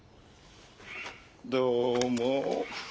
どうも。